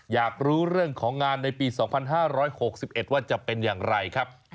อยากรู้เรื่องของงานในปี๒๕๖๑ว่าจะเป็นอย่างไรครับ